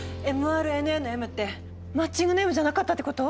ｍＲＮＡの「ｍ」ってマッチングの「ｍ」じゃなかったってこと？